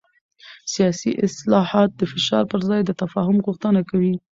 سیاسي اصلاحات د فشار پر ځای د تفاهم غوښتنه کوي